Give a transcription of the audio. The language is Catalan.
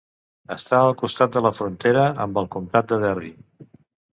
Està al costat de la frontera amb el comtat de Derry.